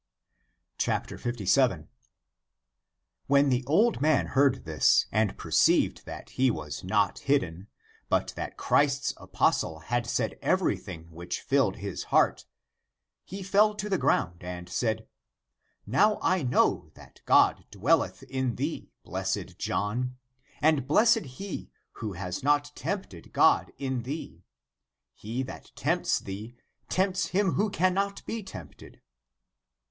57. When the old man heard this and perceived that he was not hidden, but that Christ's apostle had said everything which filled his heart, he fell to the ground and said, " Now I know that God dwelleth in thee, blessed John. And blessed he who has not tempted God in thee ! He that tempts thee, tempts him who cannot be tempted."